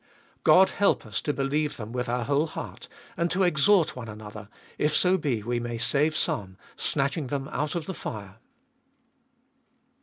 God help us to believe them with our whole heart, and to exhort one another, if so be we may save some, snatching them out of the fire